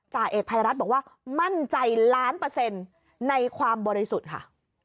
จ่าเอกภัยรัฐบอกว่ามั่นใจล้านเปอร์เซ็นต์ในความบริสุทธิ์ค่ะ